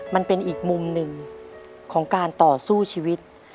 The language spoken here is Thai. มันเป็นอีกมุมหนึ่งของการต่อสู้ชีวิต